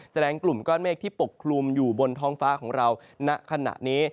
กลุ่มก้อนเมฆที่ปกคลุมอยู่บนท้องฟ้าของเราณขณะนี้